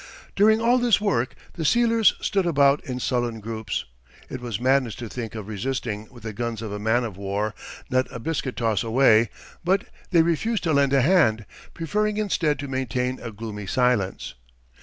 During all this work the sealers stood about in sullen groups. It was madness to think of resisting, with the guns of a man of war not a biscuit toss away; but they refused to lend a hand, preferring instead to maintain a gloomy silence.